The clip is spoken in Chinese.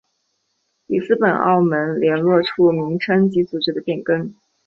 里斯本澳门联络处名称及组织的变更。